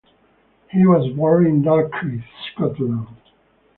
He was born in Dalkeith, Scotland.